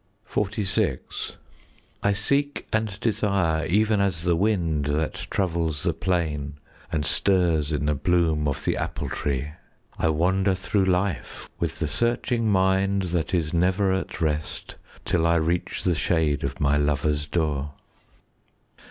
XLVI I seek and desire, Even as the wind That travels the plain And stirs in the bloom Of the apple tree. 5 I wander through life, With the searching mind That is never at rest, Till I reach the shade Of my lover's door.